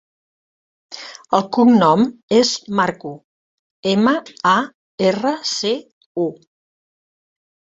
El cognom és Marcu: ema, a, erra, ce, u.